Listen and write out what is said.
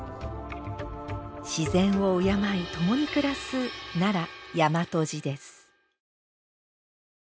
自然を敬い共に暮らす奈良やまと路です。